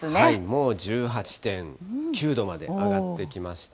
もう１８．９度まで上がってきました。